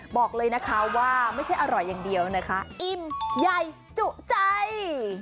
บอกเลยนะคะว่าไม่ใช่อร่อยอย่างเดียวนะคะอิ่มใหญ่จุใจ